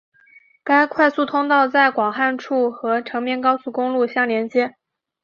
该快速通道在广汉处和成绵高速公路相连接。